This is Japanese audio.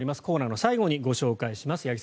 コーナーの最後にご紹介します。